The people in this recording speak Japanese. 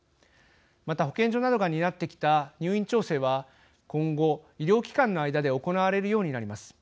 また、保健所などが担ってきた入院調整は今後医療機関の間で行われるようになります。